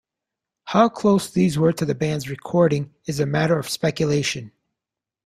How close these were to the Band's recording is a matter of speculation.